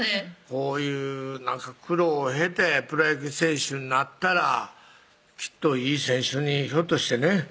こういう苦労を経てプロ野球選手になったらきっといい選手にひょっとしてね